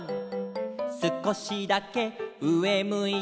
「すこしだけうえむいて」